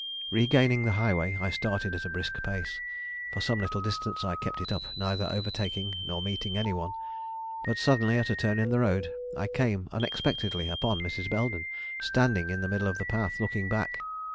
Regaining the highway, I started at a brisk pace. For some little distance I kept it up, neither overtaking nor meeting any one. But suddenly, at a turn in the road, I came unexpectedly upon Mrs. Belden, standing in the middle of the path, looking back.